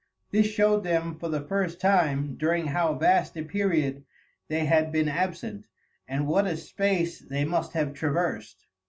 This showed them for the first time during how vast a period they had been absent, and what a space they must have traversed.